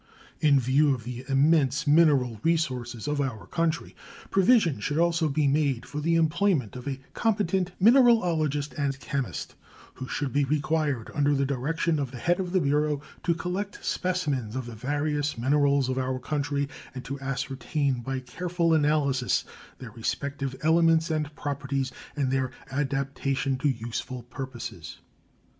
In view of the immense mineral resources of our country, provision should also be made for the employment of a competent mineralogist and chemist, who should be required, under the direction of the head of the bureau, to collect specimens of the various minerals of our country and to ascertain by careful analysis their respective elements and properties and their adaptation to useful purposes.